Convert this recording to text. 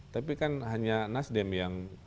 tapi kan hanya nasdem yang